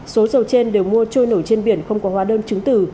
số dầu trên đều mua trôi nổi trên biển không có hóa đơn chứng từ